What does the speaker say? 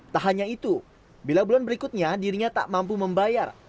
tak hanya itu bila bulan berikutnya dirinya tak mampu membayar